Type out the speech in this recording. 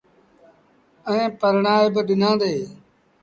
ائيٚݩ پرڻآئي با ڏنآݩدي۔